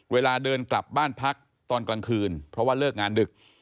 เวลาเดินกลับบ้านพักตอนกลางคืนเพราะว่าเลิกงานดึก